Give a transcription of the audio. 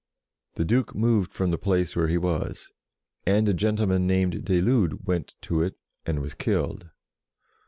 The Duke moved from the place where he was, and a gentleman named de Lude went to it, and was killed.